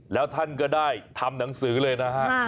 แล้วท่านก็ได้ทำหนังสือเลยนะฮะ